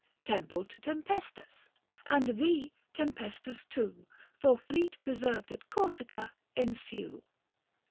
TEMPLE TO TEMPESTAS. And thee, Tempestas, too, For fleet preserved at Corsica, ensue.